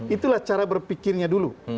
itulah cara berpikirnya dulu